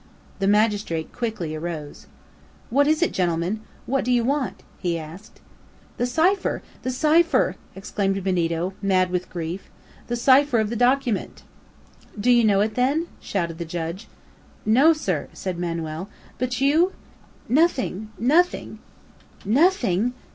The magistrate quickly arose. "What is it, gentlemen? What do you want?" he asked. "The cipher! the cipher!" exclaimed Benito, mad with grief "the cipher of the document." "Do you know it, then?" shouted the judge. "No, sir," said Manoel. "But you?" "Nothing! nothing!" "Nothing?"